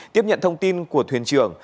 tiếp nhận thông tin của thuyền trưởng